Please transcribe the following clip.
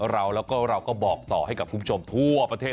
เราแล้วก็เราก็บอกต่อให้กับคุณผู้ชมทั่วประเทศ